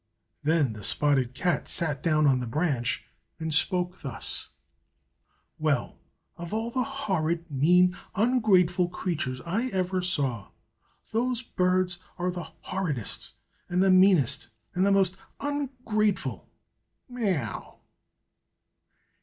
Then the spotted cat sat down on the branch and spoke thus, "Well, of all the horrid, mean, ungrateful creatures I ever saw, those birds are the horridest, and the meanest, and the most ungrateful! Mi a u ow!!!!"